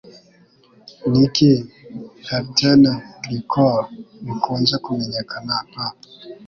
Niki Ethylene Glycol Bikunze Kumenyekana Nka